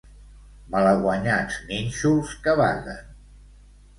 Malaguanyats nínxols que vaguen.